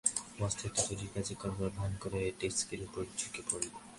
মস্ত একটা জরুরি কাজ করবার ভান করে ডেস্কের উপর ঝুঁকে পড়ল।